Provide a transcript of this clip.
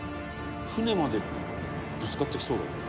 「船までぶつかってきそうだけど」